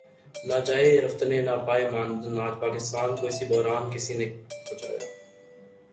نہ جائے رفتن نہ پائے ماندن آج پاکستان کو اس بحران تک کس نے پہنچایا؟